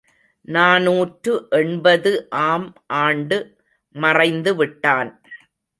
நாநூற்று எண்பது ஆம் ஆண்டு மறைந்து விட்டான்!